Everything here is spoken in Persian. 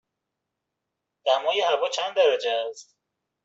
دمای هوا چند درجه است؟